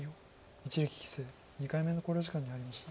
一力棋聖２回目の考慮時間に入りました。